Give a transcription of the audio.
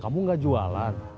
kamu gak jualan